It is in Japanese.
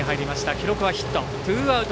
記録はヒット。